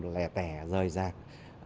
lẻ tẻ rời rạc